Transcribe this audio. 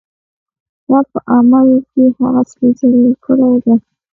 دا په عمل کې هغه سپېڅلې کړۍ ده.